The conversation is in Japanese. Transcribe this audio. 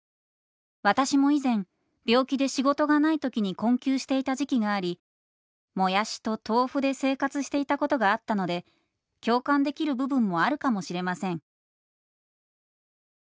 私も以前病気で仕事がないときに困窮していた時期がありもやしと豆腐で生活していたことがあったので共感できる部分もあるかもしれません」。